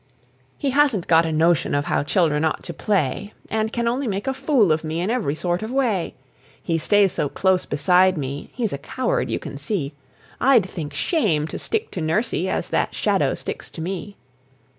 He hasn't got a notion of how children ought to play, And can only make a fool of me in every sort of way. He stays so close beside me, he's a coward, you can see; I'd think shame to stick to nursie as that shadow sticks to me!